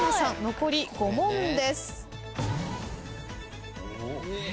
残り５問です。